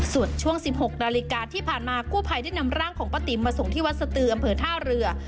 ส่วนช่วง๑๖นาฬิกาที่ผ่านมากู้ภัยได้นำร่างของป้าติ๋มมาส่งที่วัดสตืออำเภอท่าเรือ